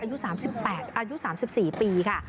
อายุ๓๘อายุ๓๔ปีค่ะ